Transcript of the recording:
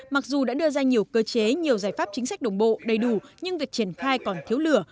mặc dù đã đưa ra nhiều cơ chế nhiều giải pháp chính sách đồng bộ đầy đủ nhưng việc triển khai còn thiếu lửa